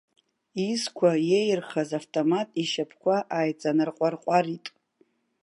Изқәа иеиархаз автомат ишьапқәа ааиҵанарҟәарҟәарит.